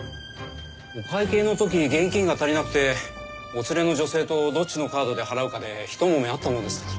お会計の時現金が足りなくてお連れの女性とどっちのカードで払うかでひと揉めあったものですから。